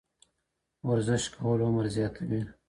ورزش کول عمر زیاتوي.